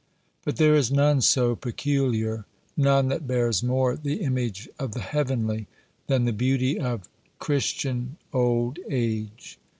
But there is none so peculiar, none that bears more the image of the heavenly, than the beauty of Christian old age.